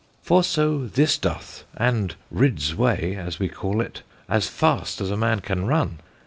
For so this doth, and rids way (as we call it) as fast as a man can run.